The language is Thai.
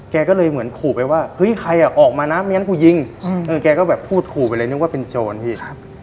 แกก็เลยเหมือนขู่ไปว่าเฮ้ยใครอ่ะออกมานะไม่งั้นกูยิงแกก็แบบพูดขู่ไปเลยนึกว่าเป็นโจรพี่